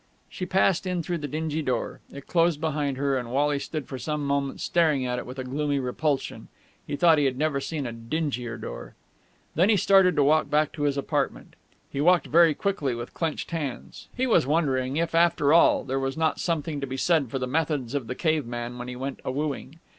She passed in through the dingy door. It closed behind her, and Wally stood for some moments staring at it with a gloomy repulsion. He thought he had never seen a dingier door. Then he started to walk back to his apartment. He walked very quickly, with clenched hands. He was wondering if after all there was not something to be said for the methods of the caveman when he went a wooing.